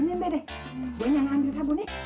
lu nih mba deh gua nyampe sabun nih